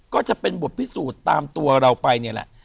ก็จะเป็นบทพิสูจน์ตามตัวเราไป